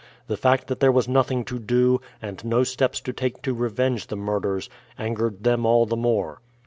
The fact that there was nothing to do, and no steps to take to revenge the murders, angered them all the more.